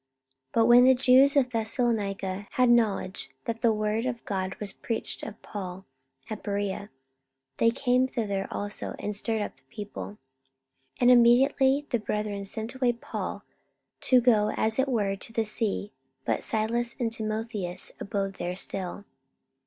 44:017:013 But when the Jews of Thessalonica had knowledge that the word of God was preached of Paul at Berea, they came thither also, and stirred up the people. 44:017:014 And then immediately the brethren sent away Paul to go as it were to the sea: but Silas and Timotheus abode there still.